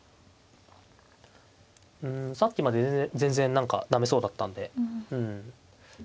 うんさっきまで全然何か駄目そうだったんで。